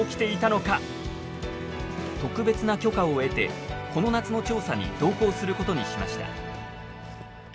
特別な許可を得てこの夏の調査に同行することにしました。